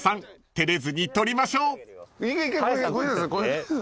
照れずに撮りましょう］